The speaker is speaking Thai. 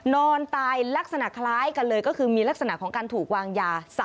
นอนตายลักษณะคล้ายกันเลยก็คือมีลักษณะของการถูกวางยา